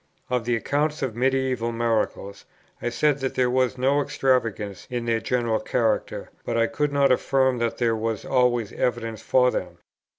Of the accounts of medieval miracles, I said that there was no extravagance in their general character, but I could not affirm that there was always evidence for them.